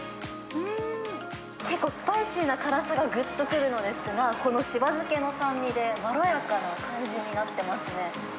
結構、スパイシーな辛さがぐっとくるのですが、この柴漬けの酸味でまろやかな感じになってますね。